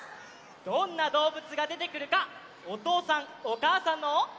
どんなどうぶつがでてくるかおとうさんおかあさんのはなをおしてみましょう！